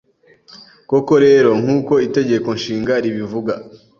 Koko rero, nk’uko Itegeko Nshinga ribivuga,